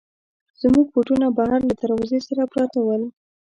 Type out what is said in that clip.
زموږ بوټونه بهر له دروازې سره پراته ول.